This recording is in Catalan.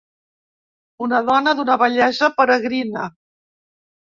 Una dona d'una bellesa peregrina.